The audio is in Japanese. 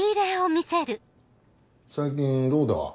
最近どうだ？